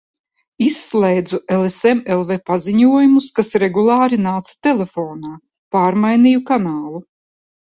Izslēdzu lsm. lv paziņojumus, kas regulāri nāca telefonā, pārmainīju kanālu.